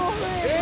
え！？